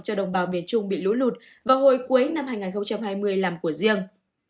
cho đồng bào miền trung bị lũ lụt vào hồi cuối năm hai nghìn hai mươi làm của riêng